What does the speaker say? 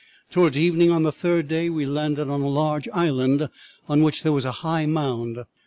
"'Towards evening, on the third day, we landed on a large island on which there was a high mound.